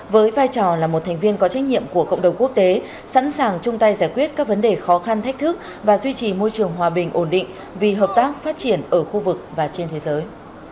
với vai trò là một thành viên có trách nhiệm của cộng đồng quốc tế sẵn sàng chung tay giải quyết các vấn đề khó khăn thách thức và duy trì môi trường hòa bình ổn định vì hợp tác phát triển ở khu vực và trên thế giới